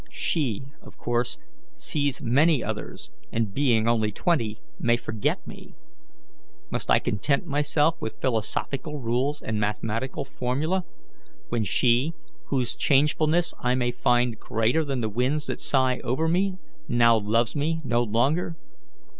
She, of course, sees many others, and, being only twenty, may forget me. Must I content myself with philosophical rules and mathematical formulae, when she, whose changefulness I may find greater than the winds that sigh over me, now loves me no longer?